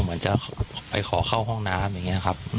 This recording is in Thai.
เหมือนจะไปขอเข้าห้องน้ำอย่างนี้ครับ